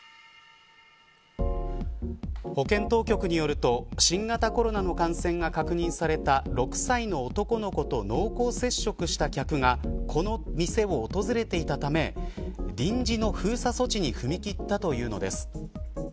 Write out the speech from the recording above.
保健当局によると新型コロナの感染が確認された６歳の男の子と濃厚接触した客がこの店を訪れていたため臨時の封鎖措置に踏み切ったというのです。